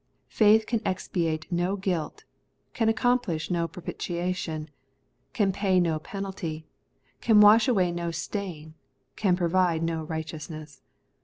Faith can expiate no guilt; can accom plish no jiropitiation ; can pay no penalty ; can wohIi away no stain ; can provide no righteousness.